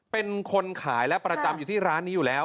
เป็นคนขายและประจำอยู่ที่ร้านนี้อยู่แล้ว